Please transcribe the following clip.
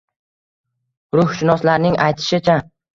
Ruhshunoslarning aytishicha